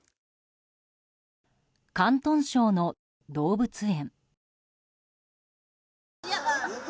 広東省の動物園。